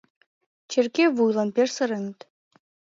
Черке вуйлан пеш сыреныт.